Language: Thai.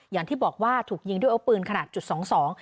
อย่างที่บอกว่าถูกยิงด้วยอาวุธปืนขนาดจุดสองสอง